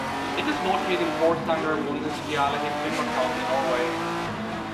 It is located in Porsanger Municipality in Finnmark county, Norway.